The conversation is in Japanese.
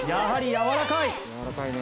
やわらかいね。